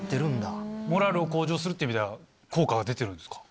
モラルを向上するっていう意味では効果が出てるんですか？